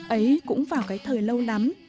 ấy cũng vào cái thời lâu lắm